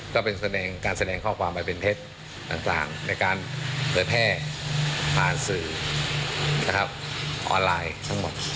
ก็เป็นการแสดงข้อความไปเป็นเท็จต่างในการเผยแพร่ผ่านสื่อนะครับออนไลน์ทั้งหมด